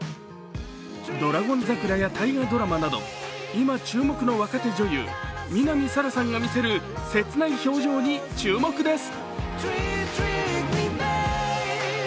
「ドラゴン桜」や大河ドラマなど今注目の若手女優、南沙良さんが見せる切ない表情に注目です。